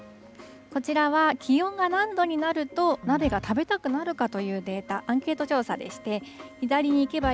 こちらは気温が何度になると鍋が食べたくなるかというデータ、アンケート調査でして、左にいけば